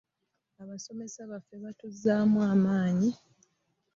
Abasomesa baffe batuzzaamu amaanyi.